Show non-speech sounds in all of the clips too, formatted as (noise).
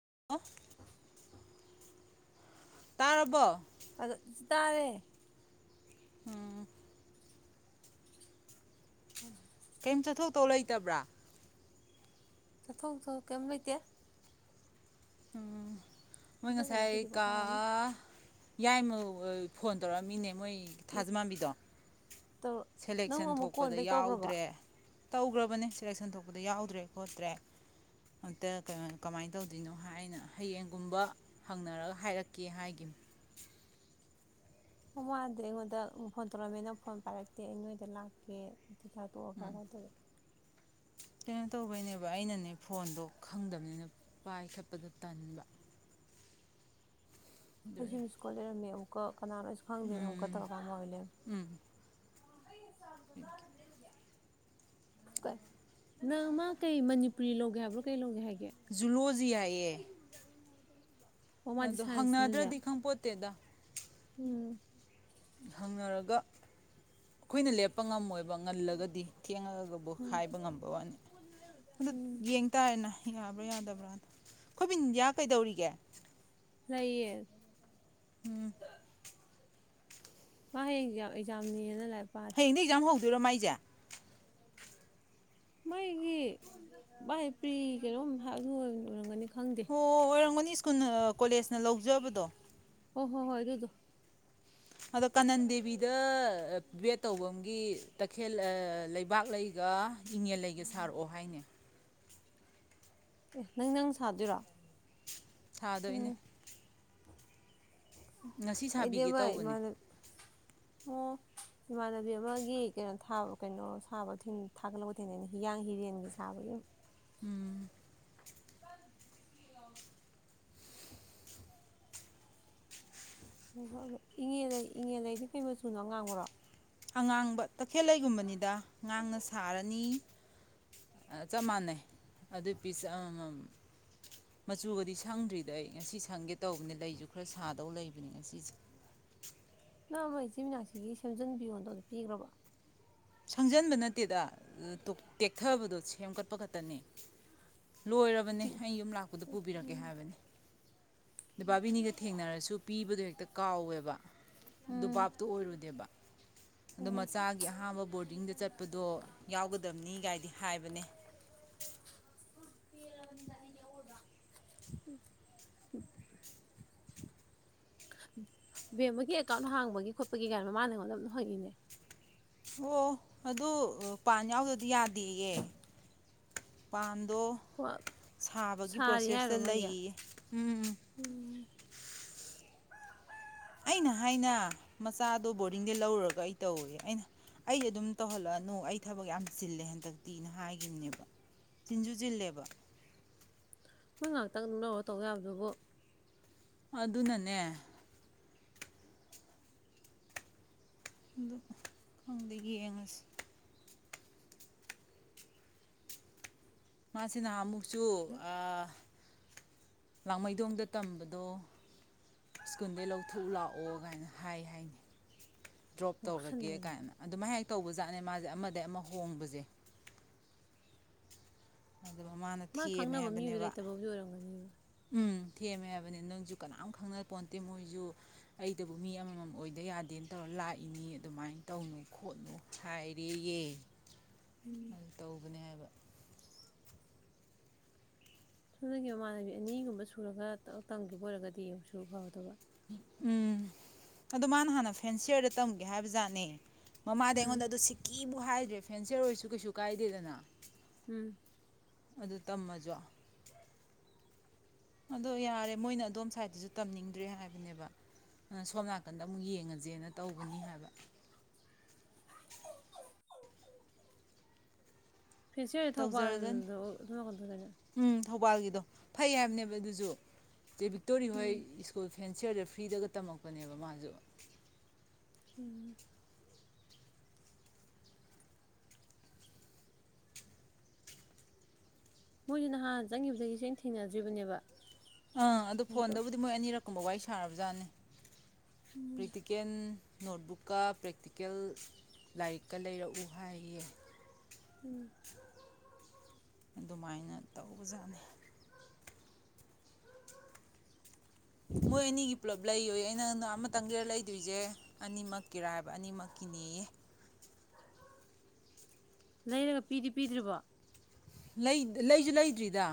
(unintelligible) (unintelligible) ꯇꯥꯔꯔꯕꯣ ꯑꯗꯨ ꯇꯥꯥꯔꯦ ꯎꯝ ꯎꯝ ꯀꯩꯝ ꯆꯠꯊꯣꯛꯇꯧ ꯂꯩꯇꯕ꯭ꯔꯥ ꯆꯊꯣꯛꯇꯧ ꯀꯩꯝ ꯂꯩꯇꯦ ꯎꯝ ꯃꯣꯏ ꯆꯠꯂꯒ ꯉꯁꯥꯏ ꯉꯁꯤꯗꯤ ꯀꯥ ꯄꯣꯊꯥꯔꯅꯤ ꯌꯥꯏꯃ ꯐꯣꯟ ꯇꯧꯔꯛꯑꯃꯤꯅꯦ ꯃꯣꯏ ꯑꯦ ꯊꯖꯃꯥꯕꯤꯗꯣ ꯅꯪ ꯑꯃꯨꯛ ꯀꯣꯟꯕꯦꯛ ꯇꯧꯈ꯭ꯔꯕ ꯇꯧꯈ꯭ꯔꯕꯅꯦ ꯁꯦꯂꯦꯛꯁꯟ ꯊꯣꯛꯄꯗ ꯌꯥꯎꯗ꯭ꯔꯦ ꯈꯣꯠꯇ꯭ꯔꯦ ꯑꯝꯇ ꯀꯃꯥꯏꯅ ꯇꯧꯗꯣꯏꯅꯣ ꯍꯥꯏꯅ ꯍꯌꯦꯡꯒꯨꯝꯕ ꯍꯪꯅꯔꯒ ꯍꯥꯏꯔꯛꯀꯦ ꯍꯥꯏꯈꯤꯝꯅꯤ ꯑꯣ ꯃꯥꯅꯗꯤ ꯑꯩꯉꯣꯟꯗ ꯐꯣꯟ ꯇꯧꯔꯛꯑꯝꯃꯦ ꯅꯪ ꯐꯣꯟ ꯄꯥꯏꯔꯛꯇꯦ ꯑꯩ ꯅꯣꯏꯗ ꯂꯥꯛꯀꯦ ꯆꯥꯛꯆꯥ ꯇꯣꯛꯑꯒ ꯎꯝ ꯀꯥꯏꯅ ꯇꯧꯔꯛꯑꯦ ꯀꯩꯅꯣ ꯇꯧꯕꯩꯅꯦꯕ ꯑꯩꯅꯅꯦ ꯐꯣꯟꯗꯣ ꯈꯪꯗꯕꯅꯤꯅ ꯄꯥꯏꯈꯠꯄꯗꯣ ꯇꯟꯕ ꯑꯦꯖꯨ ꯑꯗꯨꯒꯤ ꯃꯤꯁꯀꯣꯜ ꯂꯩꯔꯝꯃꯦ ꯀꯣꯛ ꯀꯅꯥꯅꯣꯁꯨ ꯈꯪꯗꯦ ꯑꯃꯨꯛꯀ ꯎꯝ ꯇꯧꯔꯛꯑꯀꯥꯟꯗꯟ ꯑꯣꯏ ꯂꯩꯔꯝꯃꯦ ꯎꯝ ꯅꯪ ꯃꯥ ꯀꯩ ꯃꯅꯤꯄꯨꯔꯤ ꯂꯧꯒꯦ ꯍꯥꯏꯕ꯭ꯔꯣ ꯀꯩ ꯂꯧꯒꯦ ꯍꯥꯏꯒꯦ ꯖꯨꯂꯣꯖꯤ ꯍꯥꯏꯌꯦ ꯑꯣ ꯃꯥꯗꯤ ꯑꯗꯣ ꯁꯥꯏꯟꯁꯅꯅꯦ ꯍꯪꯅꯗ꯭ꯔꯗꯤ ꯈꯪ ꯄꯣꯟꯇꯦꯗ ꯎꯝ ꯍꯪꯅꯔꯒ ꯑꯩꯈꯣꯏꯅ ꯂꯦꯞꯄ ꯉꯝꯃꯣꯏꯕ ꯑꯗꯨꯒ ꯉꯜꯂꯒꯗꯤ ꯊꯦꯡꯉꯒꯕꯨ ꯎꯝ ꯍꯥꯏꯕ ꯉꯝꯕ ꯋꯥꯅꯤ ꯑꯗꯨ ꯎꯝ ꯌꯦꯡ ꯇꯥꯔꯦꯅ ꯌꯥꯕ꯭ꯔꯥ ꯌꯥꯗꯕ꯭ꯔꯥꯗꯣ ꯈꯣꯏ ꯕꯤꯟꯗꯤꯌꯥ ꯀꯩꯗꯧꯔꯤꯒꯦ ꯂꯩꯌꯦ ꯎꯝ ꯃꯥ ꯍꯌꯦꯡ ꯑꯦꯛꯖꯥꯝꯅꯤꯅ ꯂꯥꯏꯔꯤꯛ ꯄꯥꯔꯤ ꯍꯌꯦꯡꯗꯩ ꯑꯦꯛꯖꯥꯝ ꯍꯧ ꯨꯗꯣꯏꯔꯣ ꯃꯥꯏꯖꯦ ꯃꯥꯏꯒꯤ ꯃꯥꯏ ꯄ꯭ꯔꯤ ꯀꯩꯅꯣꯝ ꯍꯥꯏꯕꯅꯤ ꯑꯗꯨ ꯑꯣꯏꯔꯝꯒꯅꯤ ꯈꯪꯗꯦ ꯑꯣꯏꯔꯝꯒꯅꯤ ꯁ꯭ꯀꯨꯜ ꯀꯣꯂꯦꯖꯅ ꯂꯧꯖꯕꯗꯣ ꯍ ꯍꯣ ꯍꯣꯏ ꯑꯗꯨꯗꯣ ꯑꯗꯣ ꯀꯥꯅꯟ ꯗꯦꯕꯤꯗ ꯕꯦꯏꯠ ꯇꯧꯕꯒꯤ ꯇꯈꯦꯜ ꯂꯩꯕꯥꯛ ꯂꯩꯒ ꯏꯪꯉꯦꯜ ꯂꯩꯒ ꯁꯥꯔꯛꯑꯣ ꯍꯥꯏꯅꯦ ꯑꯦ ꯅꯪ ꯅꯪ ꯁꯥꯗꯣꯏꯔꯣ ꯎꯝ ꯁꯥꯗꯣꯏꯅꯦ ꯉꯁꯤ ꯑꯩꯗꯤ ꯁꯥꯕꯤꯒꯦ ꯑꯃ ꯇꯧꯕꯅꯦ ꯏꯃꯥꯟꯅꯕꯤ ꯑꯣ ꯏꯃꯥꯟꯅꯕꯤ ꯑꯃꯒꯤ ꯀꯩꯅꯣ ꯀꯩꯅꯣ ꯁꯥꯕ ꯊꯥꯒꯠꯂꯛꯄ ꯊꯦꯡꯅꯩꯅꯦ ꯍꯤꯌꯥꯡ ꯍꯤꯔꯦꯟꯒꯤ ꯁꯥꯕꯒꯤ ꯎꯝ (unintelligible) (unintelligible) (unintelligible) ꯏꯉꯦꯂꯩꯗꯤ ꯀꯩ ꯃꯆꯨꯅꯣ ꯑꯉꯥꯡꯕ꯭ꯔꯣ ꯑꯉꯥꯡꯕ ꯇꯈꯦꯜꯂꯩꯒꯨꯝꯕꯅꯤꯗ ꯉꯥꯡꯅ ꯁꯥꯔꯅꯤ ꯆꯞ ꯃꯥꯟꯅꯩ ꯑꯗꯨꯏ ꯄꯤꯁ ꯑꯃꯃꯝ ꯃꯆꯨꯒꯗꯤ ꯁꯪꯗ꯭ꯔꯤꯗ ꯑꯩ ꯉꯁꯤ ꯁꯪꯒꯦ ꯇꯧꯕꯅꯤ ꯂꯩꯁꯨ ꯈꯔ ꯁꯥꯗꯧ ꯂꯩꯕꯅꯤ ꯉꯁꯤꯁꯦ ꯅꯪ ꯑꯃ ꯏꯆꯤ ꯃꯅꯥꯛꯁꯤꯒꯤ ꯁꯦꯝꯖꯟꯕꯤꯌꯣꯗꯣ ꯑꯗꯨ ꯄꯤꯈ꯭ꯔꯕꯣ ꯁꯪꯖꯟꯕ ꯅꯠ ꯇꯦꯗ ꯇꯦꯛꯊꯕꯗꯣ ꯁꯦꯝꯀꯠꯄ ꯈꯛꯇꯅꯤ ꯂꯣꯏꯔꯕꯅꯦ ꯑꯩ ꯌꯨꯝ ꯂꯥꯛꯄꯗ ꯄꯨꯕꯤꯔꯛꯀꯦ ꯎꯝ ꯍꯥꯏꯕꯅꯤ ꯕꯥꯕꯤꯅꯤꯒ ꯊꯦꯡꯅꯔꯁꯨ ꯄꯤꯕꯗꯣ ꯍꯦꯛꯇ ꯀꯥꯎꯋꯦꯕ ꯎꯝ ꯗꯨꯕꯥꯞꯇꯨ ꯑꯣꯏꯔꯨꯗꯦꯕ ꯑꯗꯨ ꯎꯝ ꯃꯆꯥꯒꯤ ꯑꯍꯥꯥꯟꯕ ꯕꯣꯔꯗꯤꯡꯗ ꯆꯠꯄꯗꯣ ꯌꯥꯎꯒꯗꯕꯅꯤ ꯀꯥꯏꯗꯤ ꯍꯥꯏꯕꯅꯦ (unintelligible) ꯕꯦꯝꯃꯒꯤ ꯑꯦꯀꯥꯎꯟ ꯍꯥꯡꯕꯒꯤ ꯈꯣꯠꯄꯒꯤ ꯒꯥꯥꯏ ꯃꯥꯅ ꯑꯩꯉꯣꯟꯗ ꯑꯗꯨꯝ ꯍꯪꯉꯤꯅꯦ ꯑꯣ ꯑꯗꯨ ꯄꯥꯟ ꯌꯥꯎꯗ꯭ꯔꯗꯤ ꯌꯥꯗꯦꯌꯦ ꯄꯥꯟ ꯗꯣ ꯄꯣ- ꯁꯥꯕꯒꯤ ꯁꯥꯔꯤ ꯍꯥꯏꯔꯣ ꯄ꯭ꯔꯣꯁꯦꯁꯇ ꯃꯣꯏꯒꯤ ꯂꯩꯌꯦ ꯎꯝ ꯎꯝ ꯑꯩꯅ ꯍꯥꯏꯅ ꯃꯆꯥꯗꯣ ꯕꯣꯔꯗꯤꯡꯗ ꯂꯧꯔꯨꯔꯒ ꯑꯩ ꯇꯧꯋꯦ ꯑꯩꯅ ꯑꯩ ꯑꯗꯨꯝ ꯇꯧꯍꯜꯂꯛꯑꯅꯨ ꯑꯩ ꯊꯕꯛ ꯌꯥꯝ ꯆꯤꯜꯂꯦ ꯍꯟꯗꯛꯇꯤꯅ ꯍꯥꯏꯈꯤꯕꯅꯦꯕ ꯆꯤꯟꯁꯨ ꯆꯤꯜꯂꯦꯕ ꯃꯣꯏ ꯉꯥꯏꯍꯥꯛꯇꯪ ꯑꯗꯨꯝ ꯂꯧꯔ ꯇꯧꯕ ꯌꯥꯕꯗꯨꯕꯨ ꯑꯗꯨꯅꯅꯦ ꯑꯗꯨ ꯈꯪꯗꯦ ꯌꯦꯡꯉꯁꯤ ꯃꯥꯁꯤ ꯅꯥꯍꯥꯟꯃꯨꯛ ꯁꯨꯨ ꯑꯗ ꯑ ꯂꯥꯡꯃꯩꯗꯣꯡꯗ ꯇꯝꯕꯗꯣ ꯁ꯭ꯀꯨꯜꯗꯩ ꯂꯧꯊꯣꯛ ꯂꯥꯛꯑꯣ ꯀꯥꯏꯅ ꯍꯥꯏ ꯍꯥꯏꯅꯦ ꯗ꯭ꯔꯣꯞ ꯇꯧꯔꯒꯦ ꯉꯥꯎꯁꯟꯅꯩꯅꯤ ꯀꯥꯏꯅ ꯑꯗꯨꯃꯥꯏ ꯇꯧꯕꯖꯥꯠꯅꯦ ꯃꯥꯁꯦ ꯑꯃꯗꯩ ꯑꯃ ꯍꯣꯡꯕꯁꯦ ꯑꯗꯨ ꯃꯥꯅ ꯃꯥ ꯊꯦꯝꯃꯦ ꯈꯪꯅꯕ ꯃꯤꯗꯨ ꯍꯥꯏꯕꯅꯦꯕ ꯂꯩꯇꯕꯕꯨꯗꯤ ꯑꯣꯏꯔꯝꯒꯅꯤ ꯎꯝ ꯊꯦꯝꯃꯦ ꯍꯥꯏꯕꯅꯤ ꯅꯪꯁꯨ ꯀꯅꯥꯝ ꯈꯪꯅꯄꯣꯟꯣꯟꯇꯦ ꯃꯣꯏꯁꯨ ꯑꯩꯗꯕꯨ ꯃꯤ ꯑꯃꯃꯝ ꯑꯣꯏꯗ ꯌꯥꯗꯦꯅ ꯇꯧꯔ ꯂꯥꯛꯏꯅꯤ ꯑꯗꯨꯃꯥꯏꯅ ꯇꯧꯅꯨ ꯈꯣꯠꯅꯨ ꯍꯥꯏꯔꯦꯌꯦ ꯇꯧꯕꯅꯤ ꯍꯥꯏꯕ (unintelligible) ꯃꯃꯥꯟꯅꯕꯤ ꯑꯅꯤꯒꯨꯝꯕ ꯁꯨꯔꯒ ꯇꯝꯈꯤꯕ ꯑꯣꯏꯔꯒꯗꯤ ꯑꯃꯨꯛꯁꯨ ꯐꯒꯗꯕ ꯎꯝ ꯑꯗꯨ ꯃꯥꯅ ꯍꯥꯟꯅ ꯐꯦꯟꯁꯤꯌꯔꯗ ꯇꯝꯒꯦ ꯍꯥꯏꯕ ꯖꯥꯠꯅꯦ ꯃꯃꯥꯗ ꯎꯝ ꯑꯩꯉꯣꯟꯗ ꯑꯗꯨ ꯁꯤꯛꯀꯤ ꯍꯥꯏꯗ꯭ꯔꯦ ꯐꯦꯟꯁꯔ ꯑꯣꯏꯔꯁꯨ ꯀꯩꯁꯨ ꯀꯥꯏꯗꯦꯗꯅ ꯎꯝ ꯑꯗꯨ ꯇꯝꯃꯖꯨ ꯑꯗꯣ ꯌꯥꯔꯦ ꯃꯣꯏꯅ ꯑꯗꯣꯝ ꯁꯥꯏꯠꯇꯁꯨ ꯇꯝꯅꯤꯡꯗ꯭ꯔꯦ ꯍꯥꯏꯕꯅꯦꯕ ꯑꯗꯨ ꯁꯣꯝ ꯅꯥꯀꯟꯗ ꯑꯃꯨꯛ ꯌꯦꯡꯉꯁꯦꯅ ꯇꯧꯕꯅꯤ ꯍꯥꯏꯕ (unintelligible) ꯇꯧꯖꯔꯖꯅꯤ ꯊꯧꯕꯥꯜꯗꯣ (unintelligible) ꯎꯝ ꯊꯧꯕꯥꯜꯒꯤꯗꯣ ꯐꯩ ꯍꯥꯏꯕꯅꯦꯕ ꯑꯗꯨꯁꯨ ꯆꯦ ꯕꯤꯛꯇꯣꯔꯤ ꯍꯣꯏ ꯎꯝ ꯁꯀꯨꯜ ꯐꯦꯟꯁꯤꯌꯔꯗ ꯐ꯭ꯔꯤꯗꯒ ꯇꯝꯃꯛꯄꯅꯦꯕ ꯃꯥꯁꯨ ꯎꯝ ꯃꯣꯏꯁ ꯅꯍꯥꯟ ꯆꯪꯒꯤꯕꯗꯒꯤ ꯁꯨꯡꯊꯦꯡ ꯊꯦꯡꯅꯗ꯭ꯔꯤꯕꯅꯦꯕ ꯑꯥ ꯑꯗꯨ ꯑꯃꯨꯛꯇꯪ ꯐꯣꯟꯗꯕꯨꯗꯤ ꯃꯣꯏ ꯑꯅꯤꯔꯛ ꯀꯨꯝꯕ ꯋꯥꯔꯤ ꯁꯥꯔꯕ ꯖꯥꯠꯅꯤ ꯄ꯭ꯔꯦꯛꯇꯤꯀꯦꯟ ꯅꯣꯠꯕꯨꯛꯀ ꯄ꯭ꯔꯦꯛꯇꯤꯀꯦꯜ ꯂꯥꯏꯔꯤꯛꯀ ꯂꯩꯔꯛꯎ ꯍꯥꯏꯌꯦ ꯎꯝ ꯑꯗꯨꯃꯥꯏꯅ ꯇꯧꯕꯖꯥꯠꯅꯤ ꯃꯣꯏ ꯑꯅꯤꯒꯤ ꯄꯨꯂꯞ ꯂꯩꯌꯣꯌꯦ ꯑꯩꯅ ꯑꯃꯇꯪꯒꯤ ꯂꯩꯗꯣꯏꯁꯦ ꯑꯅꯤꯃꯛꯀꯤꯔ ꯍꯥꯏꯕ ꯑꯅꯤꯃꯛꯀꯤꯅꯦꯌꯦ ꯂꯩꯔꯒ ꯄꯤꯗꯤ ꯄꯤꯗ꯭ꯔꯤꯕꯣ ꯂꯩꯖꯨ ꯂꯩꯗꯔ꯭ꯤꯗ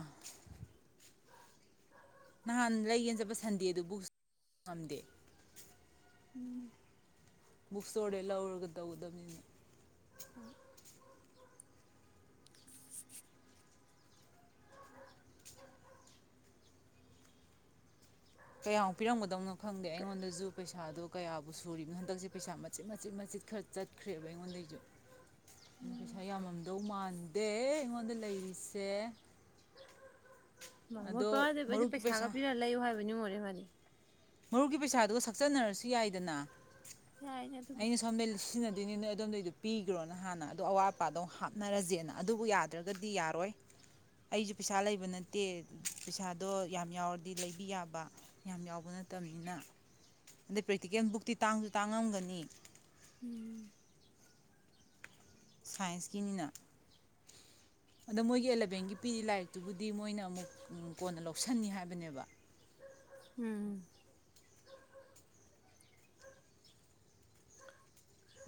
ꯅꯍꯥꯟ ꯂꯩꯒꯦꯟ ꯆꯠꯄ ꯁꯟꯗꯦ (inaudible) ꯉꯝꯗꯦ ꯎꯝ ꯕꯨꯛꯁꯇ꯭ꯣꯔꯗꯩꯩ ꯂꯧꯔꯒ ꯇꯧꯒꯗꯕꯅꯤꯅ ꯎꯝ ꯀꯌꯥꯃꯨꯛ ꯄꯤꯔꯝꯒꯗꯕꯅꯣ ꯈꯪꯗꯦ ꯀ- ꯑꯩꯉꯣꯟꯗꯁꯨ ꯄꯩꯁꯥꯗꯣ ꯀꯌꯥꯕꯨ ꯁꯨꯔꯤꯕꯅꯣ ꯍꯟꯗꯛꯁꯦ ꯄꯩꯁꯥ ꯃꯆꯤꯠ ꯃꯆꯤꯠ ꯃꯆꯤꯠ ꯈꯔ ꯆꯠ ꯈ꯭ꯔꯦꯕ ꯑꯩꯉꯣꯟꯗꯩꯁꯨ ꯄꯩꯁꯥ ꯌꯥꯝꯃꯝꯗꯧ ꯃꯥꯟꯗꯦ ꯑꯩꯉꯣꯟꯗ ꯂꯩꯔꯤꯁꯦ ꯃꯥ ꯃꯣꯏ ꯑꯗꯣ ꯃꯔꯨꯞꯀꯤ ꯄꯩꯁꯥ ꯃꯣꯏꯕꯅꯤ ꯃꯔꯨꯞꯀꯤ ꯄꯩꯁꯥꯗꯨꯒ ꯁꯛꯆꯟꯅꯔꯁꯨ ꯌꯥꯏꯗꯅ ꯌꯥꯏꯅꯦ ꯑꯗꯨꯕꯨꯗꯤ ꯑꯩꯅ ꯁꯣꯝꯗꯩꯩ ꯁꯤꯖꯤꯟꯅꯗꯣꯏꯅꯤꯅ ꯅꯣꯏ ꯑꯗꯣꯝꯗꯩꯗꯣ ꯄꯤꯈ꯭ꯔꯣꯅ ꯍꯥꯟꯅ ꯑꯗꯣ ꯑꯋꯥꯠ ꯑꯄꯥꯗꯣ ꯍꯥꯞꯅꯔꯁꯦꯅ ꯑꯗꯨꯕꯨ ꯌꯥꯗ꯭ꯔꯒꯗꯤ ꯌꯥꯔꯣꯏ ꯑꯩꯁꯨ ꯄꯩꯁꯥ ꯂꯩꯕ ꯅꯠꯇꯦ ꯄꯩꯁꯥꯗꯣ ꯌꯥꯝ ꯌꯥꯎꯔꯗꯤ ꯂꯩꯕꯤ ꯌꯥꯕ ꯌꯥꯝ ꯌꯥꯎꯕ ꯅꯠꯇꯕꯅꯤꯅ ꯑꯗꯩ ꯄ꯭ꯔꯦꯛꯇꯤꯀꯦꯜ ꯕꯨꯛꯇꯤ ꯇꯥꯡꯁꯨ ꯇꯥꯡꯉꯝꯒꯅꯤ ꯎꯝ ꯁꯥꯏꯟꯁꯀꯤꯅꯤꯅ ꯑꯗꯣ ꯃꯣꯏꯒꯤ ꯑꯦꯂꯚꯦꯟꯒꯤ ꯄꯤꯔꯤ ꯂꯥꯏꯔꯤꯛꯇꯨꯕꯨꯗꯤ ꯃꯣꯏꯅ ꯑꯃꯨꯛ ꯀꯣꯟꯅ ꯂꯧꯁꯤꯟꯅꯤ ꯍꯥꯏꯕꯅꯦꯕ ꯎꯝ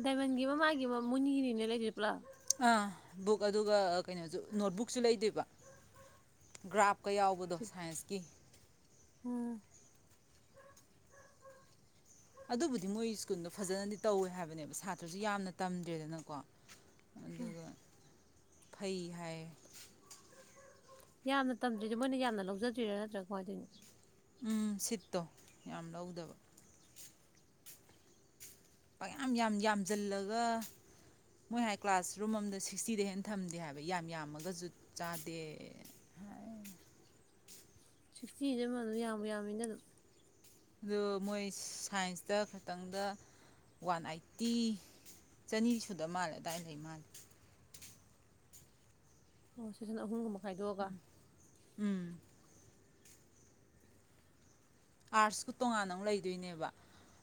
ꯗꯥꯏꯃꯟꯒꯤ ꯑꯃ ꯃꯥꯒꯤ ꯑꯃ ꯃꯣꯏ ꯑꯅꯤꯒꯤꯅ (unintelligible) ꯕꯨꯛ ꯑꯗꯨꯒ ꯀꯩꯅꯣꯁꯨ ꯅꯣꯠ ꯕꯨꯛꯁꯨ ꯂꯩꯗꯣꯏꯕ ꯒ꯭ꯔꯥꯐ ꯀꯌꯥꯎꯕꯗꯣ ꯁꯥꯏꯟꯁꯀꯤ ꯎꯝ ꯑꯗꯨꯕꯨꯗꯤ ꯃꯣꯏ ꯁ꯭ꯀꯨꯜꯗꯣ ꯐꯖꯅꯗꯤ ꯇꯧꯋꯦ ꯍꯥꯏꯕꯅꯦꯕ ꯁꯥꯇ꯭ꯔꯁꯨ ꯌꯥꯝꯅ ꯇꯝꯗ꯭ꯔꯦꯗꯅꯀꯣ ꯎꯝ ꯑꯗꯨꯒ ꯐꯩ ꯍꯥꯏ ꯌꯥꯝꯅ ꯇꯝꯗ꯭ꯔꯤꯗꯣ ꯃꯣꯏꯅ ꯌꯥꯝꯅ ꯂꯧꯖꯗ꯭ꯔꯤꯔꯥ ꯅꯠꯇ꯭ꯔꯥ ꯀꯃꯥꯏ ꯇꯧꯔꯤꯅꯣ ꯎꯝ ꯁꯤꯠꯇꯣ ꯌꯥꯝ ꯂꯧꯗꯕ ꯄꯌꯥꯝ ꯌꯥꯝ ꯌꯥꯝꯁꯤꯜꯂꯒ ꯃꯣꯏ ꯍꯥꯏ ꯀ꯭ꯂꯥꯁꯔꯨꯝ ꯑꯃꯝꯗ ꯁꯤꯛꯁꯇꯤꯗꯩꯩ ꯍꯦꯟꯅ ꯊꯝꯗꯦ ꯍꯥꯏꯕ ꯌꯥꯝ ꯌꯥꯝꯃꯒꯁꯨ ꯖꯨꯠ ꯆꯥꯗꯦ ꯍꯥꯏ ꯁꯤꯛꯁꯇꯤꯗꯤ ꯑꯗꯨꯝ ꯌꯥꯝꯕꯨ ꯌꯥꯝꯃꯤꯅ ꯑꯗꯨꯝ ꯑꯗꯣ ꯃꯣꯏ ꯁꯥꯏꯟꯁꯇ ꯈꯇꯪꯗ ꯋꯥꯟ ꯑꯥꯏꯠꯇꯤ ꯆꯅꯤ ꯁꯨꯗ ꯃꯥꯜꯂꯦ ꯑꯗꯥꯏꯅ ꯂꯩ ꯃꯥꯜꯂꯦ ꯑꯣ ꯁꯦꯛꯁꯟ ꯑꯍꯨꯝꯒꯨꯝꯕ ꯈꯥꯏꯗꯣꯛꯑꯒ ꯎꯝ ꯎꯝ ꯑꯔꯠꯁꯨ ꯇꯣꯉꯥꯟꯅ ꯑꯃ ꯂꯩꯗꯣꯏꯅꯦꯕ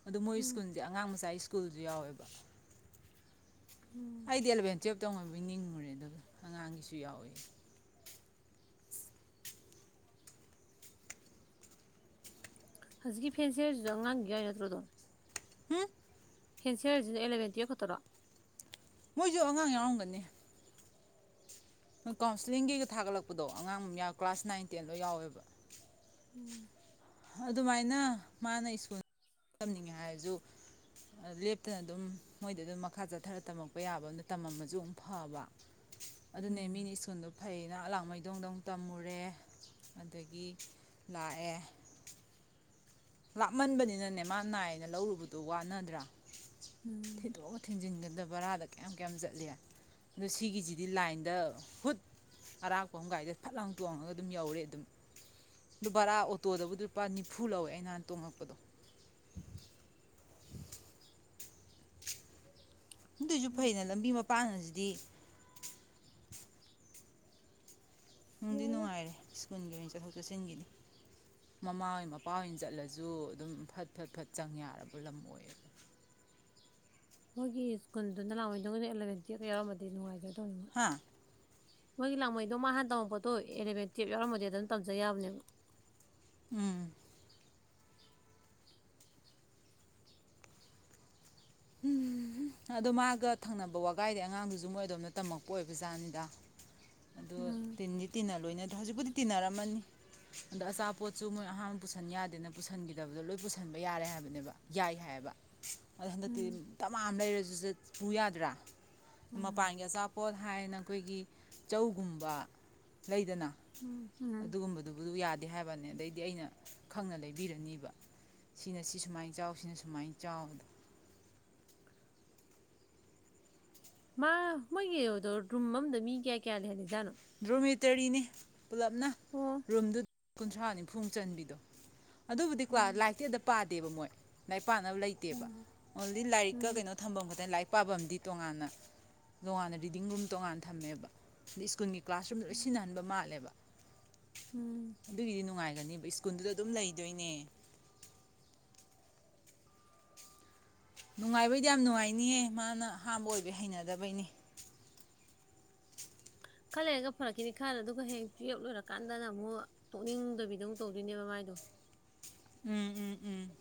ꯑꯗ ꯃꯣꯏ ꯎꯝ ꯁ꯭ꯀꯨꯜꯁꯦ ꯑꯉꯥꯡ ꯃꯆꯥ ꯁ꯭ꯀꯨꯜ ꯁ꯭ꯀꯨꯜꯁꯨ ꯌꯥꯎꯋꯦꯕ ꯎꯝ ꯑꯩꯗꯤ ꯑꯦꯂꯚꯦꯟ ꯇꯨꯌꯦꯜꯞꯇꯪ ꯑꫭꯏꯔꯕꫭꯏ ꯅꯤꯡꯉꯨꯔꯦ ꯑꯗꯨꯒ ꯑꯉꯥꯡꯒꯤꯁꯨ ꯌꯥꯎꯋꯦ ꯍꯧꯖꯤꯛꯀꯤ ꯐꯦꯟꯁꯦ ꯍꯥꯏꯁꯤꯗ ꯑꯉꯥꯡꯒꯤ ꯌꯥꯏ ꯅꯠꯇ꯭ꯔꯣꯗꯣ ꯍꯨꯝ ꯐꯦꯟꯁꯤ ꯍꯥꯏꯔꯤꯖꯤꯅ ꯑꯦꯂꯕꯦꯟ ꯇꯨꯋꯦꯜꯐ ꯈꯛꯇꯔꯣ ꯃꯣꯏꯁꯨ ꯑꯉꯥꯡ ꯌꯥꯎꯔꯝꯒꯅꯤ ꯅꯣꯏ ꯀꯥꯎꯟꯁꯤꯂꯤꯡꯒꯤꯒ ꯊꯥꯒꯠꯂꯛꯄꯗꯣ ꯑꯉꯥꯡ ꯌꯥ ꯀ꯭ꯂꯥꯁ ꯅꯥꯏꯟ ꯇꯦꯟ ꯂꫭꯏ ꯌꯥꯎꯋꯦꯕ ꯎꯝ ꯑꯗꯨꯃꯥꯏꯅ ꯃꯥꯅ ꯁ꯭ꯀꯨꯜ ꯇꯝꯅꯤꯡꯉꯦ ꯍꯥꯏꯔꯁꯨ ꯂꯦꯞꯇꯅ ꯑꯗꯨꯝ ꯃꯣꯏꯗ ꯑꯗꯨꯝ ꯃꯈꯥ ꯆꯠꯊꯔ ꯇꯝꯃꯛꯄ ꯌꯥꯕ ꯑꯗꯨꯅ ꯇꯝꯃꯝꯃꯁꯨ ꯑꯗꯨꯝ ꯐꯕ ꯑꯗꯨꯅꯦ ꯃꯤꯅ ꯁ꯭ꯀꯨꯜꯗꯣ ꯐꯩꯅꯦ ꯑꯩꯅ ꯑꯂꯥꯡꯃꯩꯗꯣꯡꯗ ꯑꯃꯨꯛ ꯇꯝꯃꯨꯔꯦ ꯑꯗꯒꯤ ꯂꯥꯛꯑꯦ ꯂꯥꯞꯃꯟꯕꯅꯤꯅꯅꯦ ꯃꯥ ꯅꯥꯏꯅ ꯂꯧꯔꯨꯕꯗꯣ ꯋꯥꯅꯗ꯭ꯔꯥ ꯎꯝ ꯊꯤꯗꯣꯛ ꯊꯤꯟꯖꯤꯅꯒꯗ ꯕꯔꯥꯗ ꯀꯌꯥꯝ ꯀꯌꯥꯝ ꯆꯠꯂꯦ ꯑꯗꯣ ꯁꯤꯒꯤꯁꯤꯗꯤ ꯂꯥꯏꯟꯗ ꯍꯨꯠ ꯑꯔꯥꯛꯄ ꯑꯃꯒꯥꯏꯗ ꯐꯠ ꯂꯪ ꯇꯣꯡꯉꯒ ꯑꯗꯨꯝ ꯌꯧꯔꯦ ꯑꯗꯨꯝ ꯑꯗꯣ ꯕꯔꯥ ꯑꯣꯇꯣꯗꯕꯨꯗꯤ ꯂꯨꯄꯥ ꯅꯤꯐꯨ ꯂꯧꯋꯦ ꯑꯩꯩꯅꯍꯥꯟ ꯇꯣꯉꯀꯞꯗꯨ ꯑꯗꯨꯏꯁꯨ ꯎꯝ ꯐꯩꯅ ꯂꯝꯕꯤ ꯃꯄꯥꯟꯁꯨ ꯗꯤ ꯅꯨꯡꯗꯤ ꯌꯥꯏꯗ ꯅꯨꯡꯉꯥꯏꯔꯦ ꯁ꯭ꯀꯨꯜꯒꯤ ꯑꯣꯏꯅ ꯆꯠꯊꯣꯛ ꯆꯠꯁꯤꯟꯒꯤꯅꯤ ꯃꯃꯥ ꯍꯣꯏ ꯃꯄꯥ ꯑꯣꯏꯅ ꯆꯠꯂꯁꯨ ꯑꯗꯨꯝ ꯐꯠ ꯐꯠ ꯐꯠ ꯆꯪ ꯌꯥꯔꯕ ꯂꯝ ꯑꯣꯏꯌꯦꯕ ꯃꯣꯏꯒꯤ ꯁ꯭ꯀꯨꯜꯗꯨꯅ ꯂꯥꯛꯑꯣꯣꯏ ꯅꯪꯗ ꯑꯦꯂꯕꯦꯟ ꯇꯨꯌꯦ ꯌꯥꯎꯔꯃꯗꯤ ꯉꯥꯏꯖꯗꯦ ꯇꯃ ꯍꯥ ꯃꯣꯏꯒꯤ ꯂꯥꯡꯃꯩꯗꯣ ꯃꯥꯥꯟ ꯇꯝꯃꯛꯄꯗꯣ ꯑꯦꯂꯚꯦꯟ ꯇꯨꯌꯦꯞ ꯌꯥꯎꯔꯝꯃꯗꯤ ꯑꯗꯨꯝ ꯇꯝꯖ ꯌꯥꯕꯅꯦꯕ ꯎꯝ ꯎ ꯑꯗꯣ ꯃꯥꯒ ꯊꯪꯅꯕ ꯋꯥꯒꯥꯏꯗꯤ ꯑꯉꯥꯡꯗꯨꯁꯨ ꯃꯣꯏ ꯑꯗꯣꯝꯅ ꯇꯝꯃꯛꯄ ꯑꯣꯏꯕ ꯖꯥꯠꯅꯤꯗ ꯑꯗꯣ ꯎꯝ ꯇꯤꯟꯗꯤ ꯇꯤꯟꯅ ꯂꯣꯏꯅꯗꯣ ꯍꯧꯖꯤꯛꯄꯨꯗꯤ ꯇꯤꯟꯅꯔꯝꯃꯅꯤ ꯑꯗꯣ ꯑꯆꯥꯄꯣꯠꯁꯨ ꯃꯣꯏ ꯑꯍꯥꯟꯕ ꯄꯨꯁꯟ ꯌꯥꯗꯦꯅ ꯄꯨꯁꯟꯈꯤꯗꯕꯗꯣ ꯂꯣꯏ ꯄꯨꯁꯟꯕ ꯌꯥꯔꯦ ꯍꯥꯏꯕꯅꯦꯕ ꯌꯥꯏ ꯍꯥꯏꯌꯦꯕ ꯑꯗ ꯍꯟꯗꯛ ꯎꯝ (unintelligible) ꯇꯝ ꯂꯩꯔꯁꯨ ꯆꯠꯄ ꯌꯥꯗ꯭ꯔꯥ ꯎꯝ ꯃꯄꯥꯟꯒꯤ ꯑꯆꯥꯄꯣꯠ ꯍꯥꯏꯅ ꯑꯩꯈꯣꯏꯒꯤ ꯆꯧꯒꯨꯝꯕ ꯂꯩꯗꯅ ꯎꯝ ꯎꯝ ꯑꯗꯨꯒꯨꯝꯕꯗꯨꯕꯨ ꯌꯥꯗꯦ ꯍꯥꯏꯕꯅꯤ ꯑꯗꯩꯗꯤ ꯑꯩꯅ ꯈꯪꯅ ꯂꯩꯕꯤꯔꯅꯤꯕ ꯁꯤꯅ ꯁꯤ ꯁꯨꯃꯥꯏꯅ ꯆꯥꯎ ꯁꯤꯅ ꯁꯨꯃꯥꯏꯅ ꯆꯥꯎꯕꯗꯣ ꯃꯥ ꯃꯣꯏꯒꯤ ꯔꯨꯝ ꯑꯃꯗ ꯃꯤ ꯀꯌꯥ ꯀꯌꯥ ꯂꯩ ꯍꯥꯏꯜꯂꯤꯖꯥꯠꯅꯣ ꯗ꯭ꯔꯣꯃꯦꯇꯔꯤꯅꯤ ꯄꯨꯂꯞꯅ ꯑꯣ ꯔꯨꯝꯗꯨ ꯀꯨꯟꯊ꯭ꯔꯥ ꯅꯤꯐꯨ ꯃꯨꯛ ꯆꯟꯕꯤꯗꯣ ꯑꯗꯨꯕꯨꯗꯤꯀꯣ ꯎꯝ ꯂꯥꯏꯔꯤꯛꯇꯤ ꯑꯗ ꯄꯥꯗꯦ ꯗꯕ ꯃꯣꯏ ꯄꯥꯅꯕ ꯂꯩꯇꯦꯕ ꯎꯝ ꯑꯣꯡꯂꯤ ꯂꯥꯏꯔꯤꯛꯀ ꯎꯝ ꯀꯩꯅꯣ ꯊꯝꯕꯝ ꯈꯛꯇꯅꯦ ꯂꯥꯏꯐ ꯄꯥꯐꯝꯗꯤ ꯇꯣꯉꯥꯟꯅ ꯇꯣꯉꯥꯟꯅ ꯔꯤꯗꯤꯡ ꯔꯨꯝ ꯇꯣꯉꯥꯟꯅ ꯊꯝꯃꯦꯕ ꯑꯗꯩ ꯁ꯭ꯀꯨꯜꯒꯤ ꯀ꯭ꯂꯥꯁꯔꯨꯝꯗ ꯂꯣꯏ ꯁꯤꯟꯅꯍꯟꯕ ꯃꯥꯜꯂꯦꯕ ꯎꯝ ꯑꯗꯨꯒꯤꯗꯤ ꯅꯨꯡꯉꯥꯏꯦ ꯁꯀꯨꯟ ꯑꯗꯨꯝ ꯂꯩꯗꯣꯏꯅꯦ ꯅꯨꯡꯉꯥꯏꯕꯩꯗꯤ ꯌꯥꯝ ꯅꯨꯡꯉꯥꯏꯅꯤꯌꯦ ꯃꯥꯅ ꯑꯍꯝꯕ ꯑꯣꯏꯕꯩ ꯍꯩꯅꯗꯕꯩꯅꯤ ꯈꯜ ꯂꯩꯔꯒ ꯐꯔꯛꯈꯤꯅꯤ ꯈꯜꯂ ꯑꯗꯨꯒ ꯍꯦꯛ ꯇꯨꯌꯦꯞ ꯂꯣꯏꯔꯀꯥꯟꯗꯅ ꯑꯃꯨꯛ ꯇꯣꯛꯅꯤꯡꯗꯕꯤꯗ ꯑꯃꯨꯛ ꯇꯧꯗꯣꯏꯅꯦꯕ ꯃꯥꯏꯗꯣ ꯎꯝ ꯎꯝ ꯎꯝ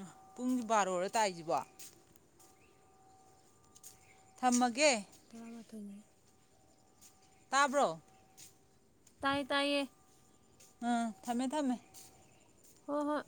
ꯎꯝ ꯄꯨꯡꯖꯤ ꯕꯥꯔꯣꯔꯣ ꯇꯥꯏꯁꯤꯕꯨ ꯊꯝꯃꯒꯦ ꯊꯔꯥ ꯃꯇꯣꯏꯅꯦ ꯇꯥꯕ꯭ꯔꯣ ꯇꯥꯏ ꯇꯥꯏꯌꯦ ꯑꯥ ꯊꯝꯃꯦ ꯊꯝꯃꯦ ꯍꯣꯏ ꯍꯣꯏ